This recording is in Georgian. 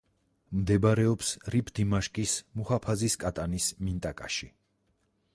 მდებარეობს რიფ-დიმაშკის მუჰაფაზის კატანის მინტაკაში.